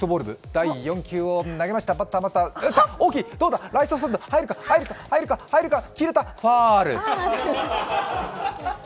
第４球を投げました、バッター松田・打った、大きい、ライトスタンド入るか、入るか、切れた、ファウル。